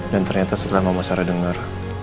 dan ternyata setelah mama sarah dengar